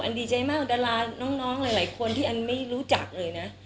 ดีใจมากดาราน้องหลายคนที่อันไม่รู้จักเลยนะ